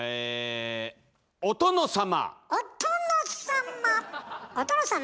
お殿様！